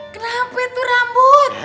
kenapa itu rambut